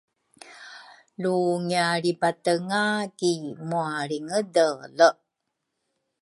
Lu ngialribatenga ki mwalringedele